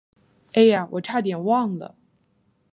哎呀，我差点忘了。